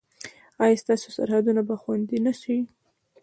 ایا ستاسو سرحدونه به خوندي نه شي؟